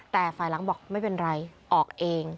แต่ฝ่ายหลังบอกไม่เป็นไรออกเอง